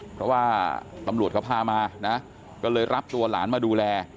เพราะว่าตำรวจเขาพามานะก็เลยรับตัวหลานมาดูแล